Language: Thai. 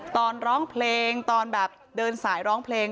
ตอนร้องเพลงตอนแบบเดินสายร้องเพลง